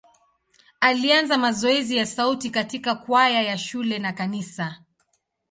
Alianza mazoezi ya sauti katika kwaya ya shule na kanisa.